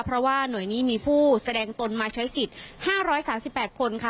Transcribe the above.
เพราะว่าหน่วยนี้มีผู้แสดงตนมาใช้สิทธิ์๕๓๘คนค่ะ